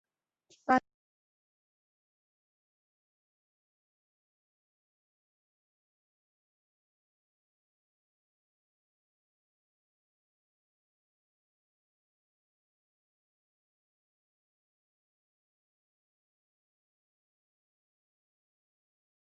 因此康德也无法宣称物自体的存在。